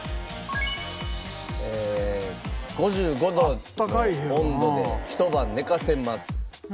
５５度の温度でひと晩寝かせます。